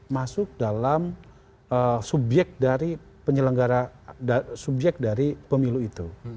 masuk dalam subjek dari pemilu itu